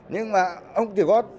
nhưng mà ông chỉ có